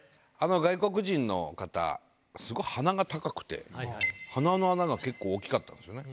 外国人の方すごい鼻が高くて鼻の穴が結構大きかったんですよね。